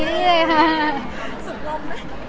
สุดลม